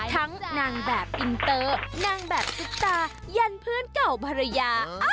นางแบบอินเตอร์นางแบบซุปตายันเพื่อนเก่าภรรยา